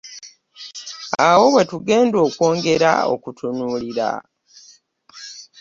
Awo we tugenda okwongera okutunuulira.